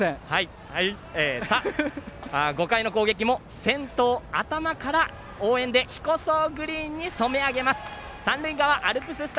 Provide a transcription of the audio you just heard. さあ、５回の攻撃も先頭、頭から応援で彦総グリーンに染め上げます。